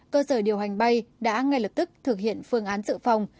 cơ sở điều hành bay đã ngay lập tức thực hiện phương án dự phòng